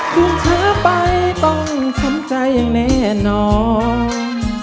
คุณเจ้าไปต้องช้ำใจอย่างแน่นอน